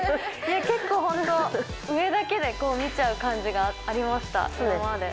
結構ホント上だけでこう見ちゃう感じがありました。